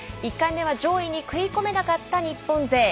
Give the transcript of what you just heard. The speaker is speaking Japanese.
１回目は上位に食い込めなかった日本勢。